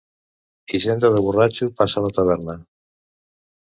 Hisenda de borratxo passa a la taverna.